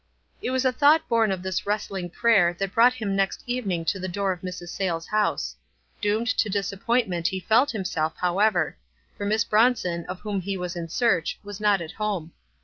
It was a thought born of this wrestling prayer that brought him next evening to the door of Mrs. Sayles' house. Doomed to disappointment he felt himself, however; for Miss Bronson, of whom he was in search, was not at home.